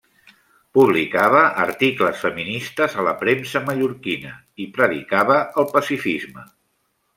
Publicava articles feministes a la premsa mallorquina i predicava el pacifisme.